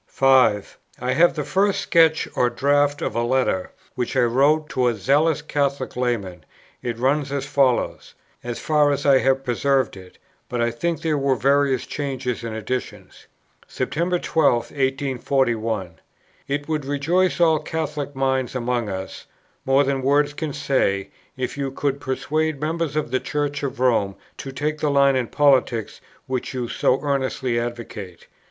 5. I have the first sketch or draft of a letter, which I wrote to a zealous Catholic layman: it runs as follows, as far as I have preserved it, but I think there were various changes and additions: "September 12, 1841. It would rejoice all Catholic minds among us, more than words can say, if you could persuade members of the Church of Rome to take the line in politics which you so earnestly advocate.